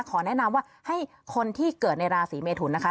ขอแนะนำว่าให้คนที่เกิดในราศีเมทุนนะคะ